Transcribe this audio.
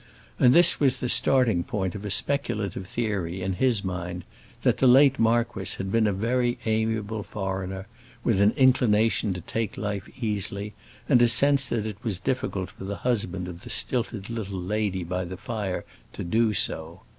And this was the starting point of a speculative theory, in his mind, that the late marquis had been a very amiable foreigner, with an inclination to take life easily and a sense that it was difficult for the husband of the stilted little lady by the fire to do so.